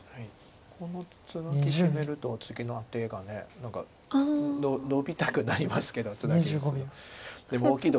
このツナギ決めると次のアテが何かノビたくなりますけどツナギ打つと。